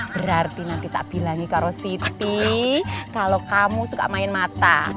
berarti nanti tak bilangin kalau siti kalau kamu suka main mata